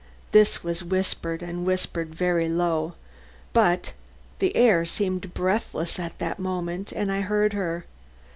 This was whispered, and whispered very low, but the air seemed breathless at that moment and I heard her.